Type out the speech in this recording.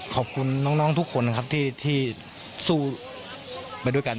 ขอบคุณน้องทุกคนนะครับที่สู้ไปด้วยกัน